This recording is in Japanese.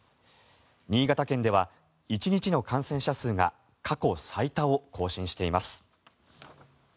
新潟県では１日の感染者数が過去最多を更新しています。